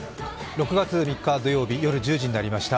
６月３日土曜日、夜１０時になりました。